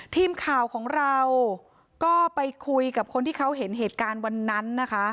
ทีมข่าวของเราก็ไปคุยกับคนที่เขาเห็นเหตุการณ์วันนั้นนะคะ